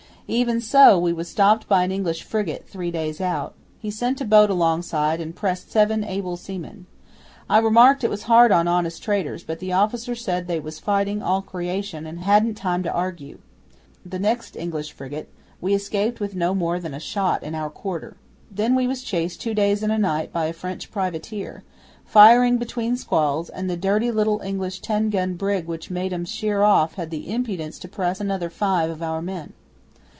Even so, we was stopped by an English frigate, three days out. He sent a boat alongside and pressed seven able seamen. I remarked it was hard on honest traders, but the officer said they was fighting all creation and hadn't time to argue. The next English frigate we escaped with no more than a shot in our quarter. Then we was chased two days and a night by a French privateer, firing between squalls, and the dirty little English ten gun brig which made him sheer off had the impudence to press another five of our men.